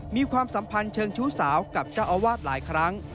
ความสัมพันธ์เชิงชู้สาวกับเจ้าอาวาสหลายครั้ง